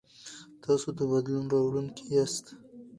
تاسو د بدلون راوړونکي یاست.